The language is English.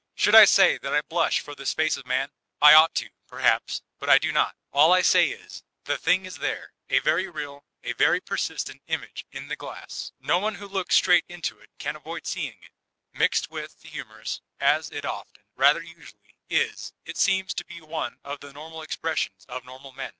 Should I say that I blush for this face of Man ? I ought to, perhaps, but I do not : all I say b, the thing is there, a very real, a very persistent image in the glass ; no one who looks straight into it can avoid seeing it Mixed with the humorous, as it often — rather usually — is, it seems to be one of the normal expressions of normal men.